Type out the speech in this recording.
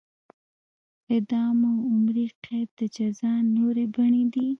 اعدام او عمري قید د جزا نورې بڼې دي.